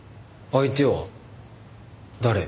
相手は誰？